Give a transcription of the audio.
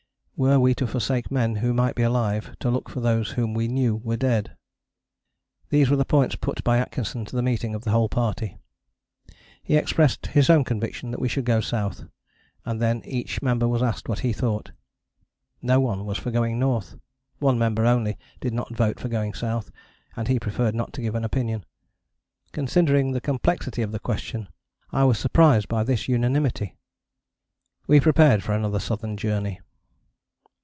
Were we to forsake men who might be alive to look for those whom we knew were dead? These were the points put by Atkinson to the meeting of the whole party. He expressed his own conviction that we should go south, and then each member was asked what he thought. No one was for going north: one member only did not vote for going south, and he preferred not to give an opinion. Considering the complexity of the question, I was surprised by this unanimity. We prepared for another Southern Journey.